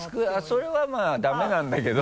それはまぁダメなんだけど。